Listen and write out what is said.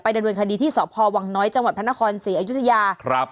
ดำเนินคดีที่สพวังน้อยจังหวัดพระนครศรีอยุธยาครับ